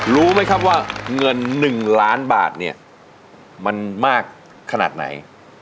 รู้ไหมครับว่าเงิน๑ล้านบาทเนี่ยมันมากขนาดไหน